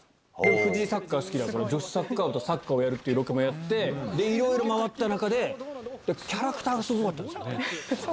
藤井サッカー好きだからサッカーをやるロケもやっていろいろ回った中でキャラクターがすごかったんですよね。